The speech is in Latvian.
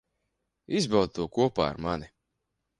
Izbaudi to kopā ar mani.